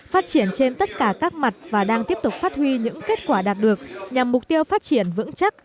phát triển trên tất cả các mặt và đang tiếp tục phát huy những kết quả đạt được nhằm mục tiêu phát triển vững chắc